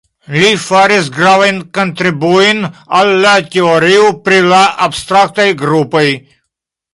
Li faris gravajn kontribuojn al la teorio pri la abstraktaj grupoj.